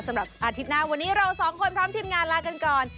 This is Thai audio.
อาทิตย์หน้าวันนี้เราสองคนพร้อมทีมงานลากันก่อน